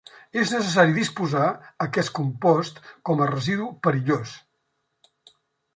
És necessari disposar aquest compost com a residu perillós.